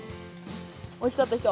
おいしかった人？